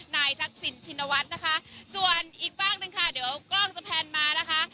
ทักษิณชินวัฒน์นะคะส่วนอีกฝากหนึ่งค่ะเดี๋ยวกล้องจะแพลนมานะคะ